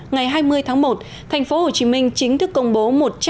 ngày hai mươi tháng một thành phố hồ chí minh chính thức công bố